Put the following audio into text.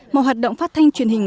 mà hoạt động phát thanh truyền hình